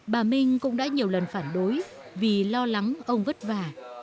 bà minh cũng đã nhiều lần phản đối vì lo lắng ông vất vả